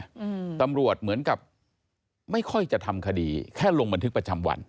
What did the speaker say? อืมตำรวจเหมือนกับไม่ค่อยจะทำคดีแค่ลงบันทึกประจำวัน